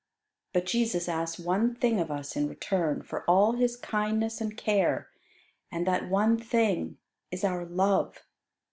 But Jesus asks one thing of us in return for all His kindness and care, and that one thing is our love.